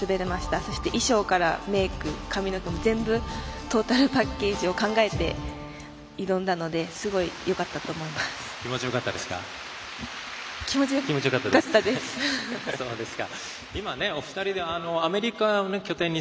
そして、衣装からメーク髪の毛も全部トータルパッケージを考えて挑んだので、すごいよかったと気持ちよかったですか？